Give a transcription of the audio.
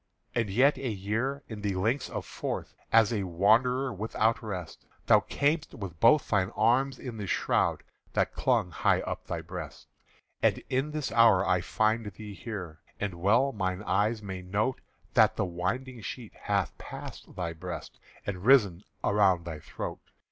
"And yet a year, in the Links of Forth, As a wanderer without rest, Thou cam'st with both thine arms i' the shroud That clung high up thy breast. "And in this hour I find thee here, And well mine eyes may note That the winding sheet hath passed thy breast And risen around thy throat.